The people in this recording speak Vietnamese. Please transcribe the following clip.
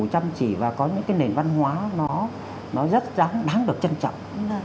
chăm chỉ và có những cái nền văn hóa nó rất đáng được trân trọng